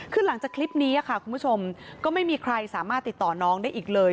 คือหลังจากคลิปนี้ค่ะคุณผู้ชมก็ไม่มีใครสามารถติดต่อน้องได้อีกเลย